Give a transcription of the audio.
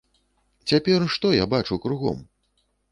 Цяпер, што бачу я кругом?